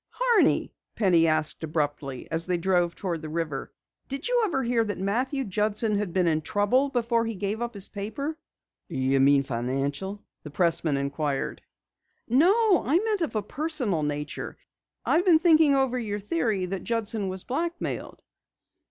"Horney," Penny said abruptly as they drove toward the river, "did you ever hear that Matthew Judson had been in trouble before he gave up his paper?" "You mean financial?" the pressman inquired. "No, I meant of a personal nature. I've been thinking over your theory that Judson was blackmailed."